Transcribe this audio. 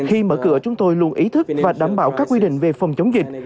khi mở cửa chúng tôi luôn ý thức và đảm bảo các quy định về phòng chống dịch